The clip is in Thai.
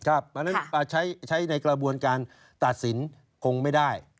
เพราะฉะนั้นใช้ในกระบวนการตัดสินคงไม่ได้